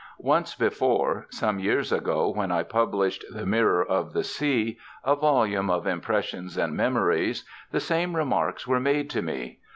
Once before, some three years ago, when I published "The Mirror of the Sea," a volume of impressions and memories, the same remarks were made to me.